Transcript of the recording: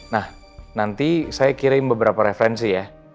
nah nanti saya kirim beberapa referensi ya